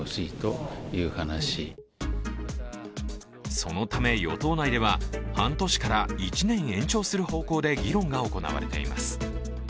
そのため与党内では半年から１年延長する方向で議論が行われています。